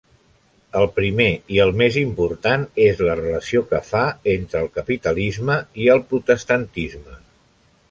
El primer i el més important és la relació que fa entre el capitalisme i el protestantisme.